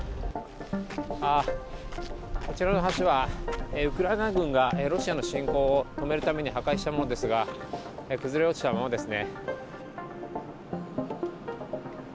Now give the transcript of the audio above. こちらの橋はウクライナ軍がロシアの侵攻を止めるために破壊したものですが崩れ落ちたままですね。